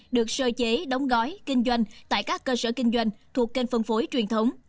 được sơ chế đóng gói kinh doanh tại các cơ sở kinh doanh thuộc kênh phân phối truyền thống